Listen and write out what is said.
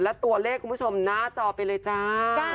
และตัวเลขคุณผู้ชมหน้าจอไปเลยจ้า